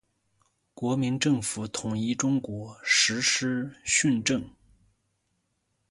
国民政府统一中国，实施训政。